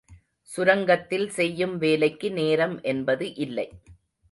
சுரங்கத்தில் செய்யும் வேலைக்கு நேரம் என்பது இல்லை.